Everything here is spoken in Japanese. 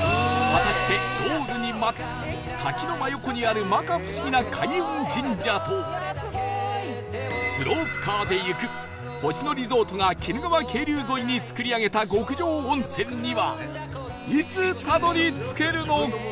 果たしてゴールに待つ滝の真横にある摩訶不思議な開運神社とスロープカーで行く星野リゾートが鬼怒川渓流沿いに作り上げた極上温泉にはいつたどり着けるのか？